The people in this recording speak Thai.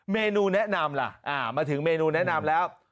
เมนูแนะนำล่ะมาถึงเมนูแนะนำแล้ว